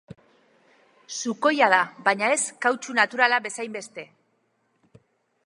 Sukoia da, baina ez kautxu naturala bezainbeste.